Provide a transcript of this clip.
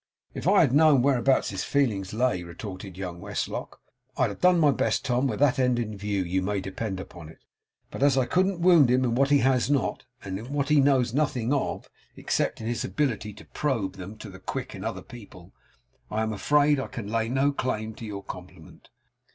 'If I had known whereabout his feelings lay,' retorted young Westlock, 'I'd have done my best, Tom, with that end in view, you may depend upon it. But as I couldn't wound him in what he has not, and in what he knows nothing of, except in his ability to probe them to the quick in other people, I am afraid I can lay no claim to your compliment.